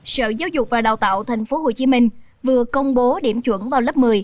sở giáo dục và đào tạo tp hcm vừa công bố điểm chuẩn vào lớp một mươi